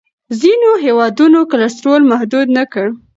ځینو هېوادونو کلسترول محدود نه کړ.